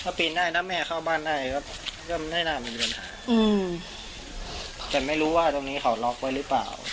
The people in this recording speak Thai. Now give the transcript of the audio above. ถ้าปีนได้นะแม่เข้าบ้านได้ก็ไม่น่ามีปัญหาอืมแต่ไม่รู้ว่าตรงนี้เขาล็อกไว้หรือเปล่า